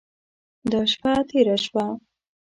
دا شپه تېره شوه.